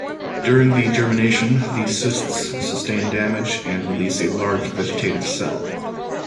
During the germination, the cysts sustain damage and release a large vegetative cell.